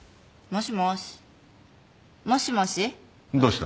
もしもし？